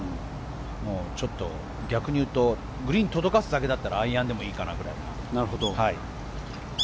もう、ちょっと逆に言うとグリーンに届かすだけだったらアイアンでもいいかなぐらいな。